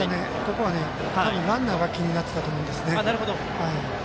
ここはランナーが気になってたと思うんですね。